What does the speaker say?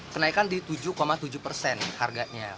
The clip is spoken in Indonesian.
kenaikan di tujuh tujuh persen harganya